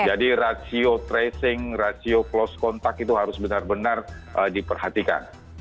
jadi rasio tracing rasio close contact itu harus benar benar diperhatikan